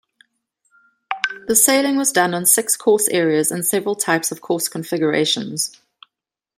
The sailing was done on six course areas and several types of course configurations.